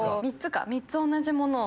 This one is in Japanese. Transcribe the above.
３つ同じものを。